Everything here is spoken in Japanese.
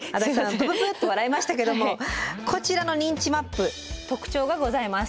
プププッと笑いましたけどもこちらの認知マップ特徴がございます。